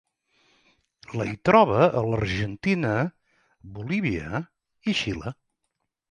La hi troba a l'Argentina, Bolívia, i Xile.